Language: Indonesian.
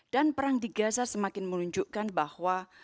dan perang di gaza semakin menunjukkan bahwa